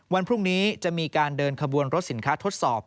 วันพรุ่งนี้จะมีการเดินขบวนรถสินค้าทดสอบ